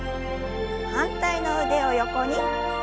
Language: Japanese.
反対の腕を横に。